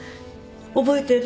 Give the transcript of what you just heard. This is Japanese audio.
覚えてる？